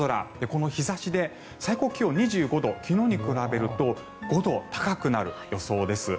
この日差しで最高気温２５度昨日に比べると５度高くなる予想です。